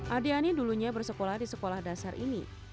adiani dulunya bersekolah di sekolah dasar ini